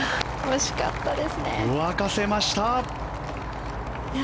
沸かせました！